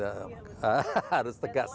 hahaha harus tegas